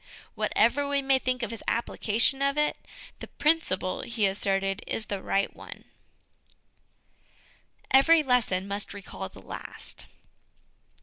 Whatever we may think of his application of it, the principle he asserted is the right one. 158 HOME EDUCATION Every Lesson must recall the Last.